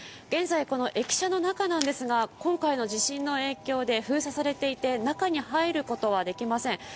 現在、この駅舎の中なんですが、今回の地震の影響で封鎖されていて、中に入ることはできません。